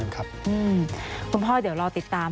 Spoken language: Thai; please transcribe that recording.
คุณพ่อเดี๋ยวรอติดตาม